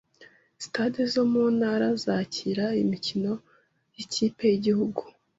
Sitade zo mu Ntara zakira imikino y’ikipe y’igihugu